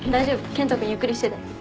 健人君ゆっくりしてて。